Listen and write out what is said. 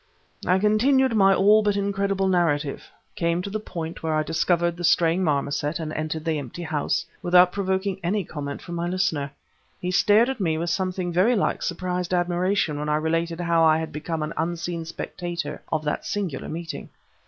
I continued my all but incredible narrative; came to the point where I discovered the straying marmoset and entered the empty house, without provoking any comment from my listener. He stared at me with something very like surprised admiration when I related how I had become an unseen spectator of that singular meeting.